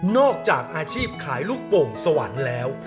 อกจากอาชีพขายลูกโป่งสวรรค์แล้ว